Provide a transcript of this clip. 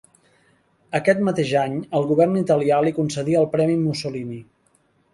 Aquest mateix any el Govern italià li concedí el Premi Mussolini.